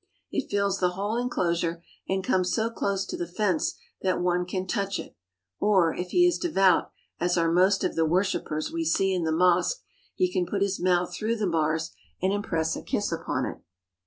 It fills the whole inclosure and comes so close to the fence that one can touch it, or, if he is devout, as are most of the worshippers we see in the mosque, he can put his mouth through the bars and impress a kiss upon it.